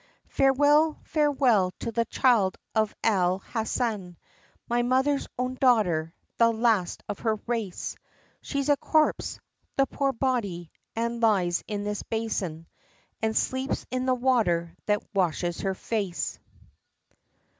Farewell, farewell, to the child of Al Hassan, My mother's own daughter the last of her race She's a corpse, the poor body! and lies in this basin, And sleeps in the water that washes her face.